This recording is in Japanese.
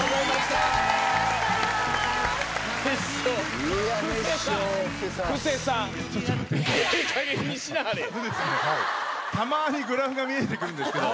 たまーにグラフが見えてくるんですけど。